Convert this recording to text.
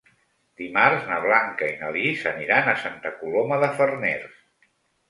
Dimarts na Blanca i na Lis aniran a Santa Coloma de Farners.